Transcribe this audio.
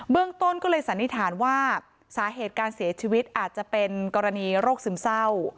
เรื่องต้นก็เลยสันนิษฐานว่าสาเหตุการเสียชีวิตอาจจะเป็นกรณีโรคซึมเศร้า